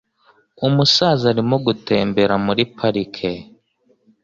Umusaza arimo gutembera muri parike.